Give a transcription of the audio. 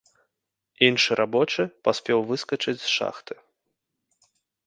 Іншы рабочы паспеў выскачыць з шахты.